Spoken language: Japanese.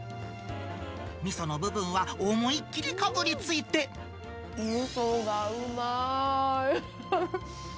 みその部分は思いっ切りかぶみそがうまーい。